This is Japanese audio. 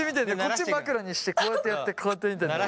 こっち枕にしてこうやってやってこうやって見てんだよ。